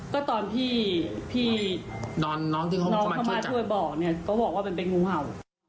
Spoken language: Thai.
ก็ตอนที่พี่เขามาช่วยบอกเนี่ยเขาบอกว่ามันเป็นงูเห่า